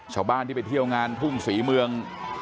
ชาวบ้านที่ไปเที่ยวงานทุ่งศรีเมือง